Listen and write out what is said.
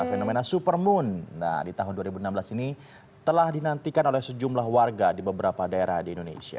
fenomena supermoon nah di tahun dua ribu enam belas ini telah dinantikan oleh sejumlah warga di beberapa daerah di indonesia